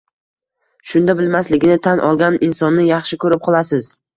Shunda bilmasligini tan olgan insonni yaxshi ko‘rib qolasiz.